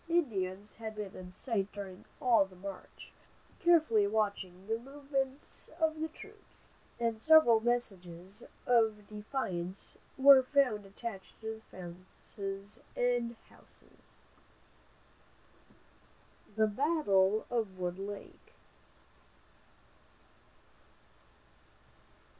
Indians had been in sight during all the march, carefully watching the movements of the troops, and several messages of defiance were found attached to fences and houses. THE BATTLE OF WOOD LAKE.